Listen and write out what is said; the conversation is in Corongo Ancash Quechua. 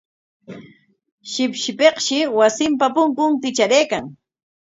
Shipshipikshi wasinpa punkun kitraraykan.